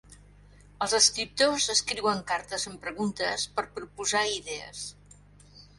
Els escriptors escriuen cartes amb preguntes per proposar idees.